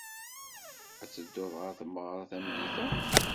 Ad tedduḍ ɣer tmeɣra tameddit-a?